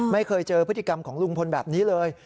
ไม่เคยเจอพฤติกรรมของลุงพลแบบนี้เลย